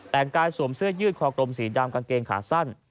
แต่งกายสวมเสื้อยืดคอกลมสีดำกางเกงขาสั้น